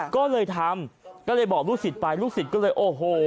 ก็เลยทำก็เลยบอกลูกศิษย์ไปลูกศิษย์ก็เลยโอ้โห